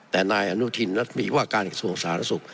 แต่นายอนุทินมีว่าการกระทรวงสารสุข